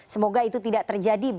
semoga itu tidak terjadi